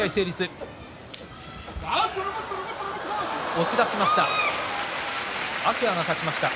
押し出しました。